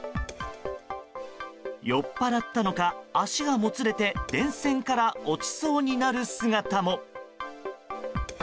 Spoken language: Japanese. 酔っ払ったのか足がもつれて電線から落ちそうになる姿も。